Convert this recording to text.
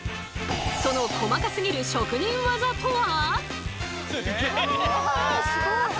そのこまかすぎる職人技とは！？